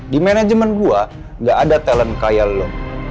di manajemen gue gak ada talent kaya lo